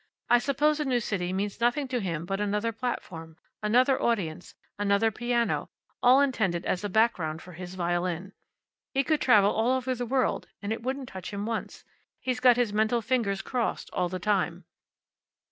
I suppose a new city means nothing to him but another platform, another audience, another piano, all intended as a background for his violin. He could travel all over the world and it wouldn't touch him once. He's got his mental fingers crossed all the time."